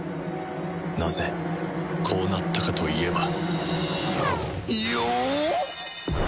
なぜこうなったかといえば